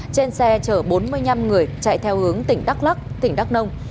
trên xe chở bốn mươi năm người chạy theo hướng tỉnh đắc lắc tỉnh đắc nông